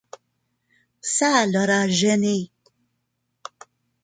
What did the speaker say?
Ça l’aura gêné.